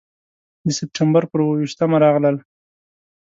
د سپټمبر پر اوه ویشتمه راغلل.